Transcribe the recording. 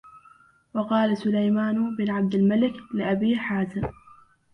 وَقَالَ سُلَيْمَانُ بْنُ عَبْدِ الْمَلِكِ لِأَبِي حَازِمٍ